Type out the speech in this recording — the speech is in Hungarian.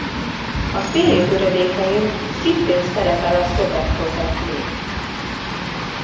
A sztélé töredékein szintén szerepel a Szobekhotep név.